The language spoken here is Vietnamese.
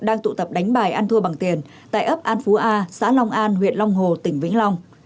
đang tụ tập đánh bài ăn thua bằng tiền tại ấp an phú a xã long an huyện long hồ tỉnh vĩnh long